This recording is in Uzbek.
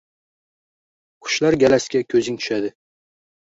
Qushlar galasiga ko’zing tushadi.